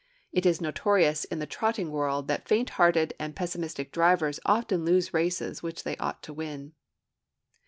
It is notorious in the trotting world that faint hearted and pessimistic drivers often lose races which they ought to win.